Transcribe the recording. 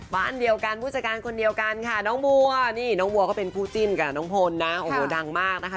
บ้านเดียวกันผู้จัดการคนเดียวกันค่ะน้องบัวนี่น้องบัวก็เป็นคู่จิ้นกับน้องพลนะโอ้โหดังมากนะคะ